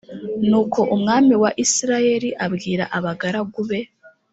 nuko umwami wa isirayeli abwira abagaragu be